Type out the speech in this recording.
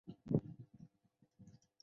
长兴方言属于吴语苕溪片。